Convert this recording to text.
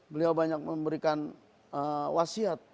beliau banyak memberikan wasiat